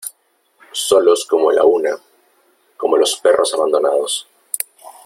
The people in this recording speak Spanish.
solos como la una , como los perros abandonados .